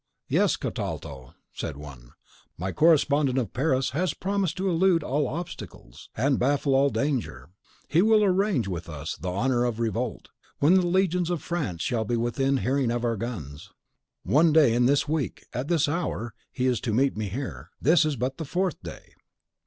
"Yes, Cottalto," said one; "my correspondent of Paris has promised to elude all obstacles, and baffle all danger. He will arrange with us the hour of revolt, when the legions of France shall be within hearing of our guns. One day in this week, at this hour, he is to meet me here. This is but the fourth day."